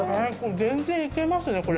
「全然いけますねこれ」